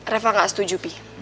reva nggak setuju pi